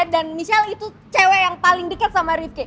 dan michelle itu cewe yang paling deket sama rifki